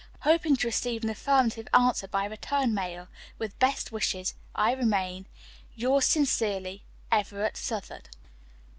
Hoping to receive an affirmative answer by return mail, with best wishes, I remain "Yours sincerely, "EVERETT SOUTHARD."